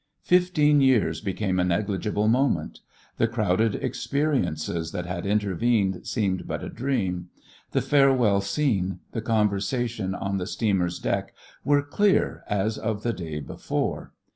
Fifteen years became a negligible moment; the crowded experiences that had intervened seemed but a dream. The farewell scene, the conversation on the steamer's deck, were clear as of the day before.